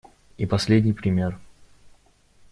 И последний пример.